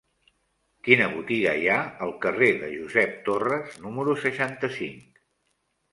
Quina botiga hi ha al carrer de Josep Torres número seixanta-cinc?